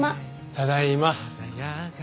ただいま。